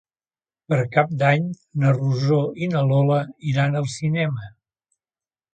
Per Cap d'Any na Rosó i na Lola iran al cinema.